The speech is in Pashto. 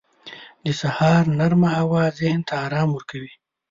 • د سهار نرمه هوا ذهن ته آرام ورکوي.